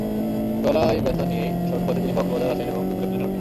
গলায় ব্যথা নিয়েই সড়কপথে তিনি কক্সবাজার আসেন এবং দুপুরে প্লেনে ওঠেন।